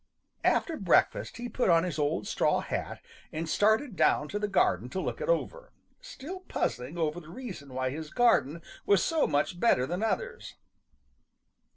After breakfast he put on his old straw hat and started down to the garden to look it over, still puzzling over the reason why his garden was so much better than others.